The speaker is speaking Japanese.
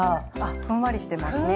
ふんわりしてますね。